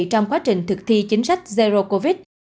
trong quá trình thực thi chính sách zero covid